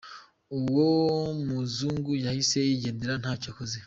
Uwo muzungu yahise yigendera ntacyo akoze.